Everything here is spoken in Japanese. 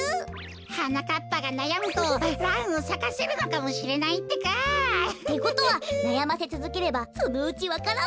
はなかっぱがなやむとランをさかせるのかもしれないってか！ってことはなやませつづければそのうちわか蘭も。